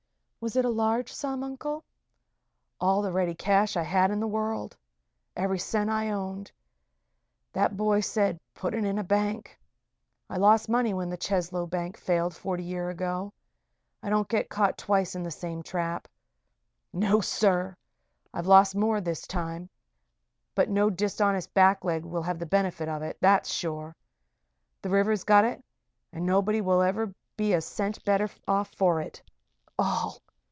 "Was it a large sum, Uncle?" "All the ready cash I had in the world. Every cent I owned. That boy said, put it in a bank. I lost money when the Cheslow Bank failed forty year ago. I don't get caught twice in the same trap no, sir! I've lost more this time; but no dishonest blackleg will have the benefit of it, that's sure. The river's got it, and nobody will ever be a cent the better off for it. All!